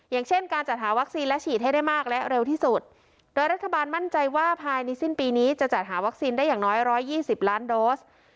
อย่างเช่นการจัดหาวัคซีนและฉีดให้ได้มากและเร็วที่สุดโดยรัฐบาลมั่นใจว่าภายในสิ้นปีนี้จะจัดหาวัคซีนได้อย่างน้อย๑๒๐ล้านโดส